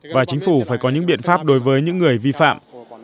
và chính phủ phải có những biện pháp đối với những người vi phạm